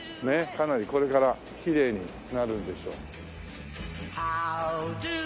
かなりこれからきれいになるんでしょう。